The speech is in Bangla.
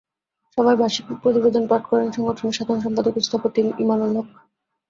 সভায় বার্ষিক প্রতিবেদন পাঠ করেন সংগঠনের সাধারণ সম্পাদক স্থপতি ইমানুল হক।